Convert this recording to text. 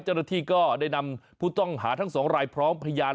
จรฐีก็ได้นำผู้ต้องหาทั้งสองรายพร้อมพยาน